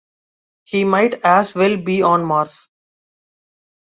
He might as well be on Mars.